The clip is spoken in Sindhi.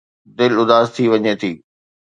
دل اداس ٿي وڃي ٿي.